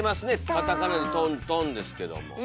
カタカナで「トントン」ですけども。